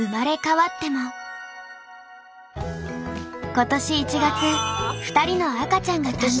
今年１月２人の赤ちゃんが誕生。